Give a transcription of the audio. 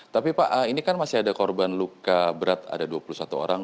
tapi pak ini kan masih ada korban luka berat ada dua puluh satu orang